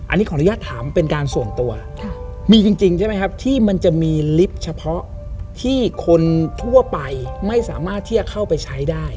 อันนี้ขออนุญาตถามเป็นการส่วนตัวมีจริงใช่ไหมครับที่มันจะมีลิฟต์เฉพาะที่คนทั่วไปไม่สามารถที่จะเข้าไปใช้ได้